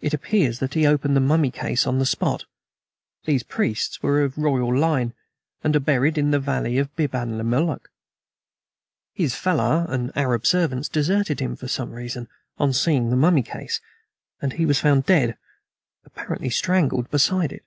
It appears that he opened the mummy case on the spot these priests were of royal line, and are buried in the valley of Biban le Moluk. His Fellah and Arab servants deserted him for some reason on seeing the mummy case and he was found dead, apparently strangled, beside it.